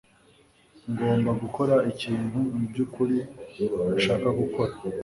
Ngomba gukora ikintu mubyukuri ntashaka gukora.